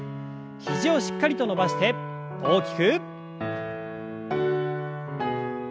肘をしっかりと伸ばして大きく。